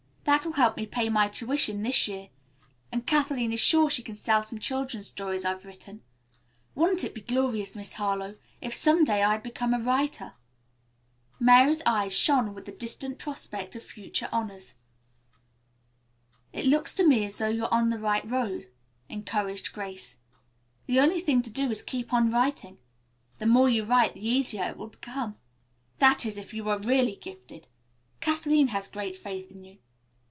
That will help pay my tuition this year, and Kathleen is sure she can sell some children's stories I've written. Wouldn't it be glorious, Miss Harlowe, if some day I'd become a writer?" Mary's eyes shone with the distant prospect of future honors. "It looks to me as though you were on the right road," encouraged Grace. "The only thing to do is to keep on writing. The more you write the easier it will become that is, if you are really gifted. Kathleen has great faith in you.